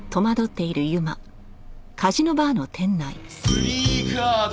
スリーカード。